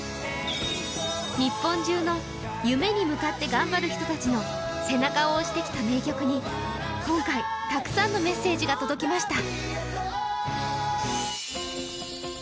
日本中の夢に向かって頑張る人たちの背中を押してきた名曲に今回、たくさんのメッセージが届きました。